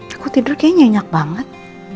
aku tidur kayaknya nyenyak banget